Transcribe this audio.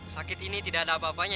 sakit ini tidak ada apa apanya